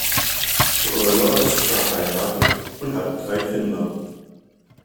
Röller ist verheiratet und hat drei Kinder.